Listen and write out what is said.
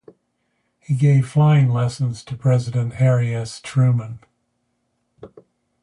He gave flying lessons to President Harry S. Truman.